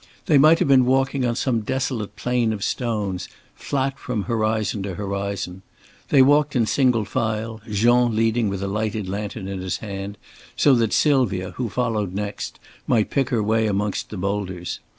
They might have been walking on some desolate plain of stones flat from horizon to horizon. They walked in single file, Jean leading with a lighted lantern in his hand, so that Sylvia, who followed next, might pick her way amongst the boulders.